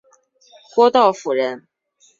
郭道甫人。